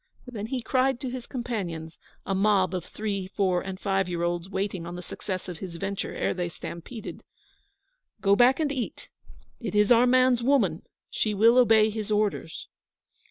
Then he cried to his companions, a mob of three , four , and five year olds waiting on the success of his venture ere they stampeded: 'Go back and eat. It is our man's woman. She will obey his orders.'